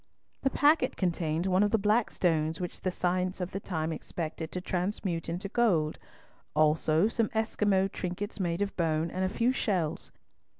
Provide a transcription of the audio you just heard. The packet contained one of the black stones which the science of the time expected to transmute into gold, also some Esquimaux trinkets made of bone, and a few shells.